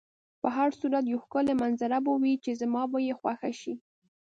په هر صورت یوه ښکلې منظره به وي چې زما به یې خوښه شي.